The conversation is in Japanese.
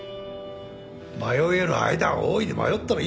迷える間は大いに迷ったらいいさ。